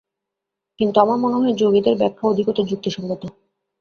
কিন্তু আমার মনে হয়, যোগীদের ব্যাখ্যা অধিকতর যুক্তিসঙ্গত।